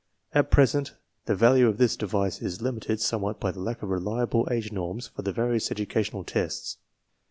At present the value of this device is limited somewhat by the lack of reliable age norms for the various educational tests.